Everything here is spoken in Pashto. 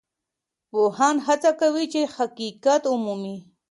پوهان هڅه کوي چي حقیقت ومومي.